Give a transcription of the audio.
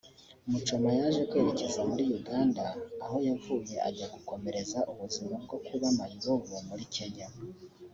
Muchoma yaje kwerekeza muri Uganda aho yavuye ajya gukomereza ubuzima bwo kuba mayibobo muri Kenya